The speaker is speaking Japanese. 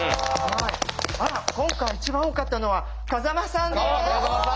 あら今回一番多かったのは風間さんです。